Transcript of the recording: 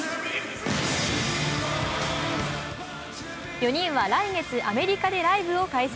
４人は来月、アメリカでライブを開催。